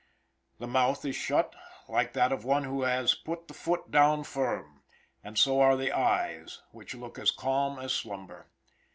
The mouth is shut, like that of one who had put the foot down firm, and so are the eyes, which look as calm as slumber.